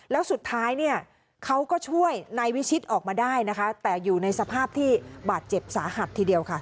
แล้วสุดท้ายเนี่ยเขาก็ช่วยนายวิชิตออกมาได้นะคะแต่อยู่ในสภาพที่บาดเจ็บสาหัสทีเดียวค่ะ